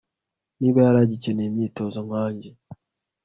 niba yari agikeneye imyitozo nkanjye